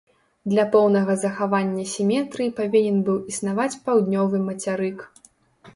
Для поўнага захавання сіметрыі павінен быў існаваць паўднёвы мацярык.